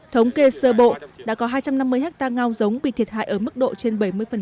thống kê sơ bộ đã có hai trăm năm mươi ha ngao giống bị thiệt hại ở mức độ trên bảy mươi